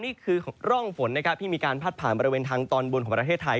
นี่คือร่องฝนนะครับที่มีการพัดผ่านบริเวณทางตอนบนของประเทศไทย